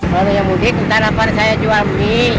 barunya mudik nanti nanti saya jual mudik